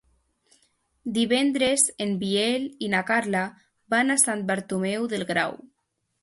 Divendres en Biel i na Carla van a Sant Bartomeu del Grau.